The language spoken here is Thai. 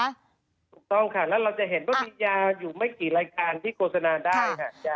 ถูกต้องค่ะแล้วเราจะเห็นว่ามียาอยู่ไม่กี่รายการที่โฆษณาได้ค่ะ